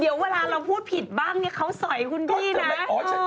เดี๋ยวเวลาเราพูดผิดบ้างเขาส่อยคุณดี้นะ